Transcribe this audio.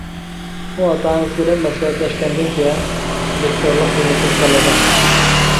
ئۇ ئاتا-ئانىسى بىلەن مەسلىھەتلەشكەندىن كىيىن، دىكتورلۇق خىزمىتىنى تاللىدى.